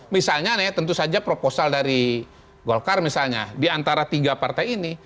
misalnya nih tentu saja proposal dari golkar misalnya di antara tiga partai ini